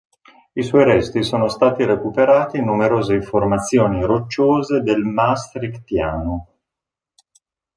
I suoi resti sono stati recuperati in numerose formazioni rocciose del Maastrichtiano.